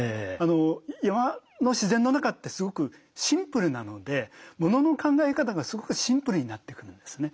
山の自然の中ってすごくシンプルなのでものの考え方がすごくシンプルになってくるんですね。